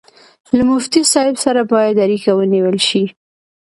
له مفتي صاحب سره باید اړیکه ونیول شي.